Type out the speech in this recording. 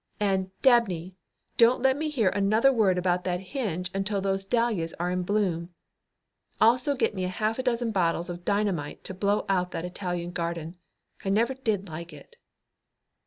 And, Dabney, don't let me hear another word about that hinge until those dahlias are in bloom. Also get me a half dozen bottles of dynamite to blow out that Italian garden. I never did like it."